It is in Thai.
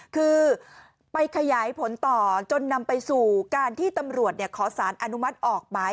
คือไปขยายผลต่อจนนำไปสู่การที่ตำรวจขอสารอนุมัติออกหมาย